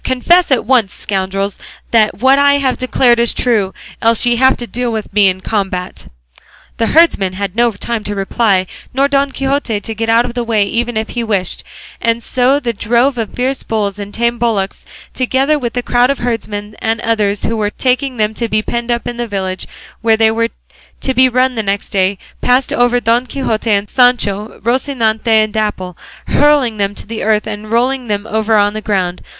Confess at once, scoundrels, that what I have declared is true; else ye have to deal with me in combat." The herdsman had no time to reply, nor Don Quixote to get out of the way even if he wished; and so the drove of fierce bulls and tame bullocks, together with the crowd of herdsmen and others who were taking them to be penned up in a village where they were to be run the next day, passed over Don Quixote and over Sancho, Rocinante and Dapple, hurling them all to the earth and rolling them over on the ground.